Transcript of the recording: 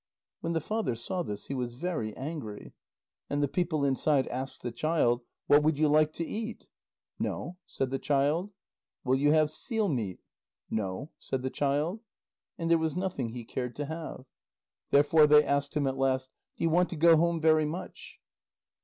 When the father saw this, he was very angry. And the people inside asked the child: "What would you like to eat?" "No," said the child. "Will you have seal meat?" "No," said the child. And there was nothing he cared to have. Therefore they asked him at last: "Do you want to go home very much?"